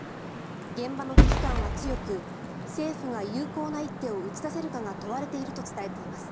現場の危機感は強く政府が有効な一手を打ち出せるかが問われていると伝えています。